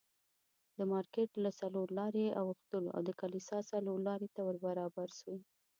د مارکېټ له څلور لارې اوښتلو او د کلیسا څلورلارې ته ور برابر شوو.